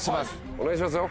お願いしますよ